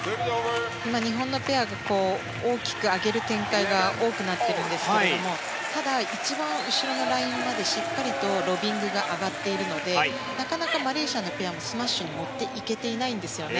今、日本ペアが大きく上げる展開が多くなっているんですけれどもただ、一番後ろのラインまでしっかりとロビングが上がっているのでなかなかマレーシアのペアもスマッシュに持っていけていないんですね。